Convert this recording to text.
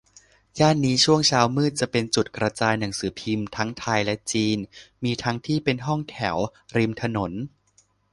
ย่านนี้ช่วงเช้ามืดจะเป็นจุดกระจายหนังสือพิมพ์ ทั้งไทยและจีน มีทั้งที่เป็นห้องแถว ริมถนน